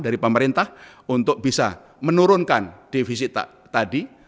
dari pemerintah untuk bisa menurunkan defisit tadi